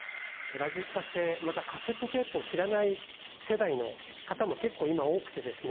ラジカセ、またカセットテープを知らない世代の方も結構今、多くてですね。